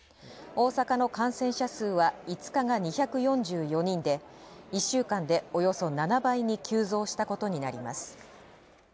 大阪の感染者数は５日が２４４人で１週間でおよそ７倍に急増したことになります。